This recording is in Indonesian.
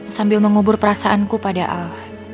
sambil mengubur perasaanku pada al